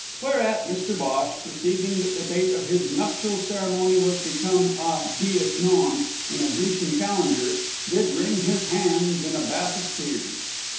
Whereat Mr Bhosh, perceiving that the date of his nuptial ceremony was become a dies non in a Grecian calendar, did wring his hands in a bath of tears.